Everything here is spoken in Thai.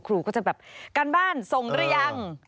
ครูก็จะแบบการบ้านส่งหรือยัง